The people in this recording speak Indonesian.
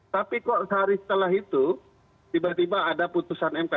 tapi kok sehari setelah itu tiba tiba ada putusan mk